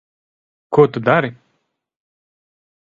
Ko tu dari?